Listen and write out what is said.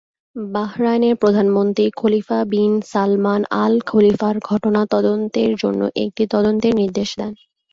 বাহরাইনের প্রধানমন্ত্রী Khalifa bin Salman al Khalifa ঘটনার তদন্তের জন্য একটি তদন্তের নির্দেশ দেন।